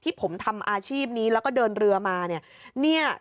ผมทำอาชีพนี้แล้วก็เดินเรือมาเนี่ย